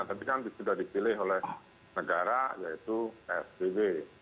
tapi kan sudah dipilih oleh negara yaitu psbb